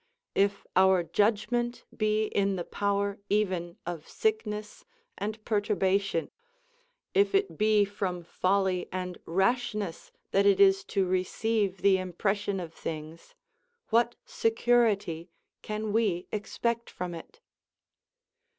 If our judgment be in the power even of sickness and perturbation; if it be from folly and rashness that it is to receive the impression of things, what security can we expect from it?